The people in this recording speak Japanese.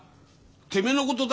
てめえのことだけ考え